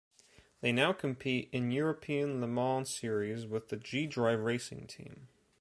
They now compete in European Le Mans Series with the G-Drive Racing team.